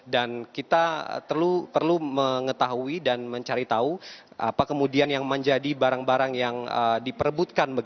dan kita perlu mengetahui dan mencari tahu apa kemudian yang menjadi barang barang yang diperebutkan